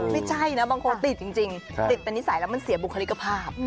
ไม่ใช่นะบางคนติดจริงติดเป็นนิสัยแล้วมันเสียบุคลิกภาพ